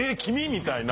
みたいな。